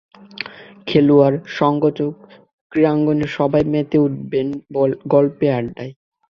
খেলোয়াড়, সংগঠকসহ ক্রীড়াঙ্গনের সবাই মেতে উঠবেন গল্পে, আড্ডায়।